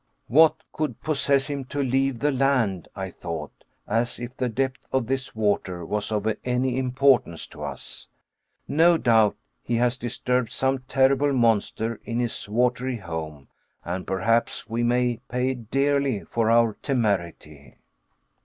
"What could possess him to leave the land," I thought, "as if the depth of this water was of any importance to us. No doubt he has disturbed some terrible monster in his watery home, and perhaps we may pay dearly for our temerity."